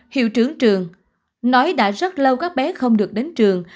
hiệu trưởng trường nói đã rất lâu các bé không được đến trường